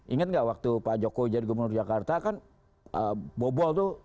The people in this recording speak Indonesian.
ingat nggak waktu pak jokowi jadi gubernur jakarta kan bobol tuh